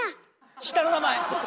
下の名前。